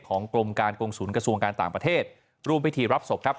ของกรมการโกรมสูญกระทรวงการต่างประเทศรวมวิธีรับศพครับ